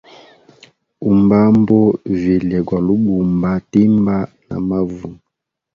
Umbambo vilye gwali ubamba timba na mavu.